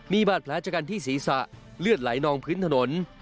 มีบาดแผลชะกันที่ศีรษะเลือดไหลนองพื้นถนน